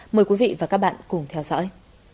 mời quý vị và các bạn cùng theo dõi